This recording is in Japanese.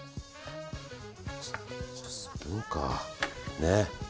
スプーンかね。